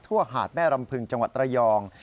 หาดแม่รำพึงจังหวัดระยอง